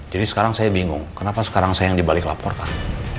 jadi sekarang saya bingung kenapa sekarang saya yang dibalik laporkan